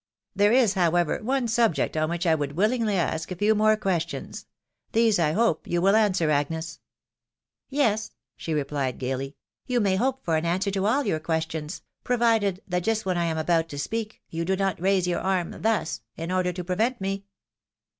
..• There is, how ever, one subject on which I would willingly ask a few more questions — these I hope you will answer, Agnes ?"" Yes '" she replied, gaily, " you may hope for an answer to all your questions .... provided, that just when I am about to speak, you do not raise your arm thus, in order to prevent me.